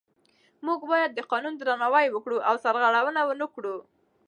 موږ باید د قانون درناوی وکړو او سرغړونه ونه کړو